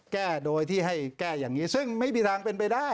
แก้โดยที่ให้แก้อย่างนี้ซึ่งไม่มีทางเป็นไปได้